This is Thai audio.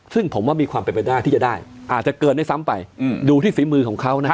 ซึ่งผมว่ามีความเป็นไปได้ที่จะได้อาจจะเกินได้ซ้ำไปดูที่ฝีมือของเขานะฮะ